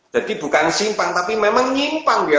jadi bukan simpang tapi memang nyimpang ya